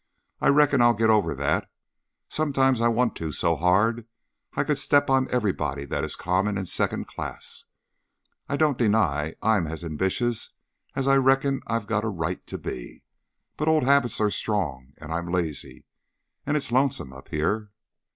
I reckon I'll get over that; sometimes I want to so hard I could step on everybody that is common and second class. I don't deny I'm as ambitious as I reckon I've got a right to be, but old habits are strong, and I'm lazy, and it's lonesome up here.